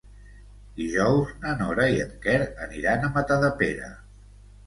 Dijous na Nora i en Quer aniran a Matadepera.